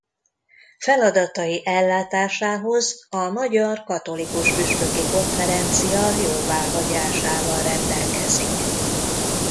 Feladatai ellátásához a Magyar Katolikus Püspöki Konferencia jóváhagyásával rendelkezik.